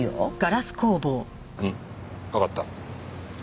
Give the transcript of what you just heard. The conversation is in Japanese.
んわかった。